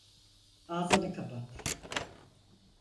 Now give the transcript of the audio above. Ağzını kapat.